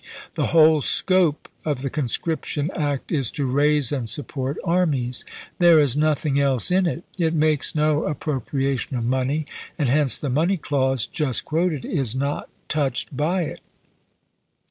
The whole scope of the con scription act is 'to raise and support armies.' There is nothing else in it. It makes no appropria tion of money, and hence the money clause just quoted is not touched by it.